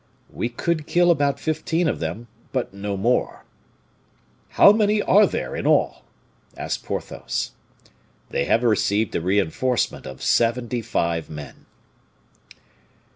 "We could kill about fifteen of them, but no more." "How many are there in all?" asked Porthos. "They have received a reinforcement of seventy five men."